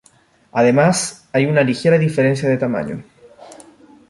Además hay una ligera diferencia de tamaño.